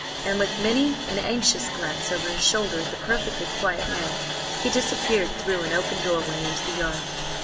And with many an anxious glance over his shoulder at the perfectly quiet mare, he disappeared through an open doorway into the yard.